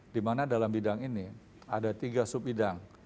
di mana dalam bidang ini ada tiga sub bidang